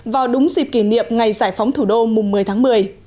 vào đúng dịp kỷ niệm ngày giải phóng thủ đô mùng một mươi tháng một mươi